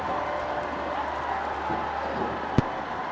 ประธานสภาอุตสาหกรรมแห่งประเทศไทย